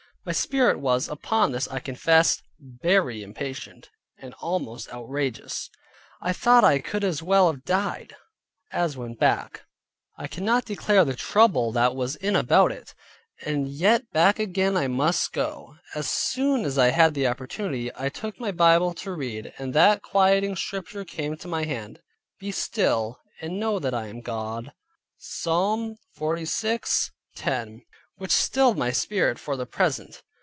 My spirit was, upon this, I confess, very impatient, and almost outrageous. I thought I could as well have died as went back; I cannot declare the trouble that I was in about it; but yet back again I must go. As soon as I had the opportunity, I took my Bible to read, and that quieting Scripture came to my hand, "Be still, and know that I am God" (Psalm 46.10). Which stilled my spirit for the present.